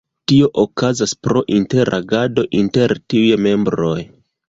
Tio okazas pro interagado inter tiuj membroj.